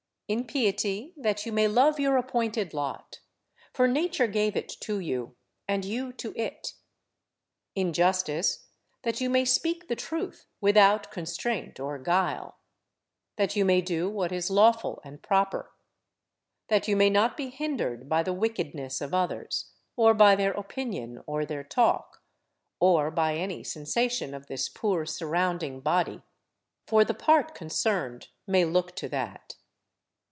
In piety that you may love your appointed lot; for Nature gave it to you and you to it. In justice, that you may speak the truth with out constraint or guile; that you may do what is lawful and proper; that you may not be hindered by the wickedness of others, or by their opinion, or their talk, or by any sensation of this poor surrounding body, for the part concerned may look to that.